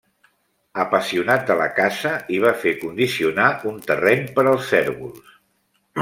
Apassionat de la caça, hi va fer condicionar un terreny per als cérvols.